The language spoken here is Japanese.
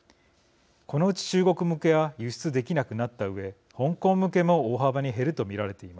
このうち中国向けは輸出できなくなったうえ香港向けも大幅に減ると見られています。